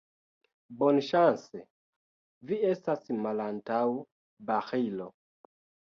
Bonŝance, vi estas malantaŭ barilo.